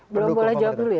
belum boleh jawab dulu ya